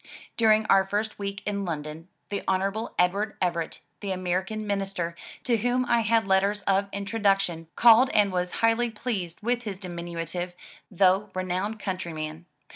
During our first week in London, the Hon. Edward Everett, the American minister, to whom I had letters of introduction, called and was highly pleased with his diminutive, though re nowned countryman.